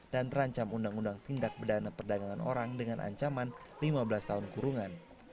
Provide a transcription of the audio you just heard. terancam undang undang tindak bedana perdagangan orang dengan ancaman lima belas tahun kurungan